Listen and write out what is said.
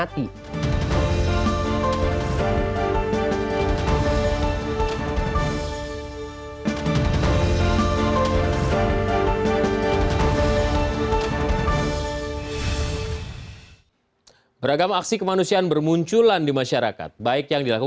terima kasih sekali lagi